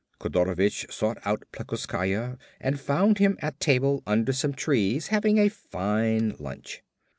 Kodorovich sought out Plekoskaya and found him at table under some trees having a fine lunch.